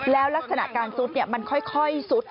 แล้วลักษณะการซุดมันค่อยซุด